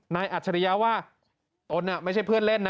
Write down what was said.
อัจฉริยะว่าตนไม่ใช่เพื่อนเล่นนะ